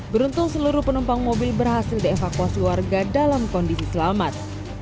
beruntung seluruh penumpang mobil berhasil dievakuasi warga dalam kondisi selamat